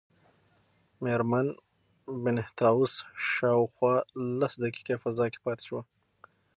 مېرمن بینتهاوس شاوخوا لس دقیقې فضا کې پاتې شوه.